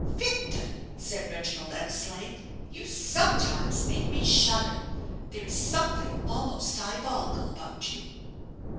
"Victor," said Reginald Eversleigh; "you sometimes make me shudder, There is something almost diabolical about you."